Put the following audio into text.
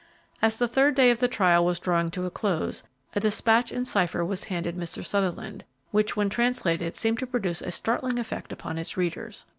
As the third day of the trial was drawing to a close, a despatch in cipher was handed Mr. Sutherland, which when translated seemed to produce a startling effect upon its readers.